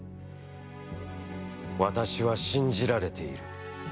私は、信じられている。